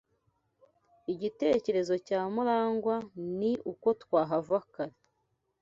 Igitekerezo cya Murangwa ni uko twahava kare.